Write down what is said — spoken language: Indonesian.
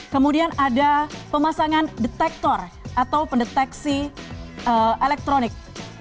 kemudian ada pemasangan detektor atau pendeteksi elektronik